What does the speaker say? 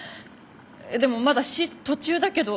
でもまだ詞途中だけど。